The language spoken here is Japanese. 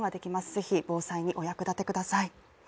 是非防災にお役立てください。